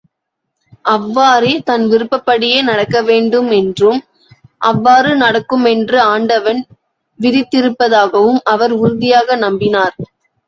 அவ்வாறே தன் விருப்பப்படியே நடக்கவேண்டும் என்றும், அவ்வாறு நடக்குமென்றே ஆண்டவன் விதித்திருப்பதாகவும் அவர் உறுதியாக நம்பினார்.